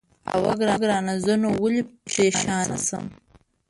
اوه، ګرانه زه نو ولې پرېشانه شم؟